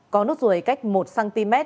có nốt ruồi cách một cm